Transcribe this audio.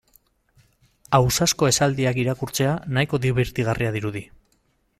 Ausazko esaldiak irakurtzea nahiko dibertigarria dirudi.